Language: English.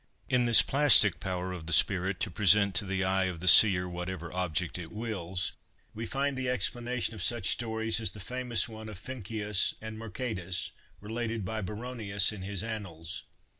In this plastic power of the spirit to present to the eye of the seer whatever object it wills, we find the explanation of such stories as the famous one of Ficinus and Mercatus, related by Baronius in his annals.